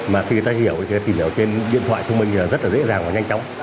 mà khi người ta hiểu thì tìm hiểu trên điện thoại thông minh là rất là dễ dàng và nhanh chóng